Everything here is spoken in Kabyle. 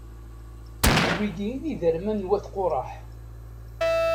D wigi i d iderman n wat Quṛaḥ.